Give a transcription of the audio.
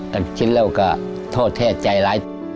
ตัดชิ้นแล้วก็โทษแทบใจร้าย